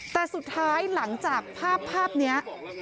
แต่สุดท้ายหลังจากภาพนี้